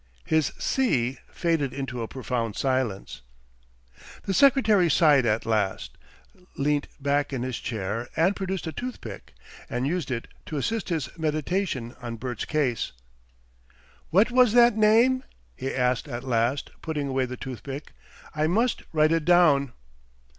His "See?" faded into a profound silence. The secretary sighed at last, leant back in his chair and produced a tooth pick, and used it, to assist his meditation on Bert's case. "What was that name?" he asked at last, putting away the tooth pick; "I must write it down."